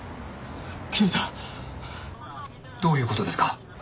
どういう事ですか？